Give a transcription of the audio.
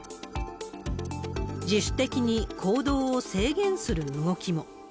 自主的に行動を制限する動きも。